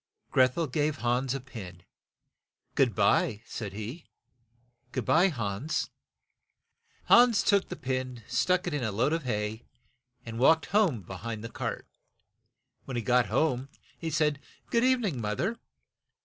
Greth el gave Hans a pin. "Good by," said he. "Good by, Hans." Hans took the pin, stuck it in a load of hay, and walked home be hind the cart. When he got home he said, "Good eve ning, moth er."